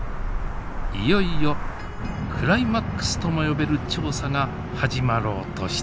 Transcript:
いよいよクライマックスとも呼べる調査が始まろうとしていました。